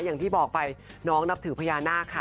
อย่างที่บอกไปน้องนับถือพญานาคค่ะ